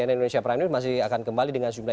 cnn indonesia prime news masih akan kembali dengan jumlah